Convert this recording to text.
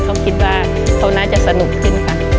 เขาคิดว่าเขาน่าจะสนุกขึ้นค่ะ